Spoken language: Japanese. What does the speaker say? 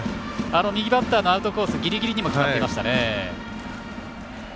右バッターのアウトコースのぎりぎりにもかかってましたね。